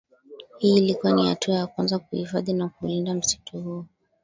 Hii ilikuwa ni hatua ya kwanza kuhifadhi na kuulinda msitu huo